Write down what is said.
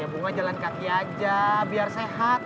bunga jalan kaki aja biar sehat